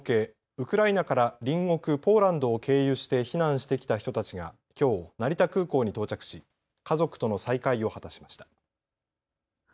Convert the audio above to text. ウクライナから隣国ポーランドを経由して避難してきた人たちがきょう、成田空港に到着し家族との再会を果たしました。